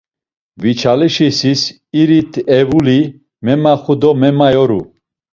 Viçalişisis iri tevuli memaxu do memayoru.